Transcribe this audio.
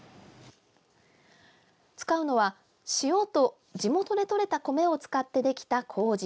使うのは塩と、地元でとれた米を使ってできたこうじ。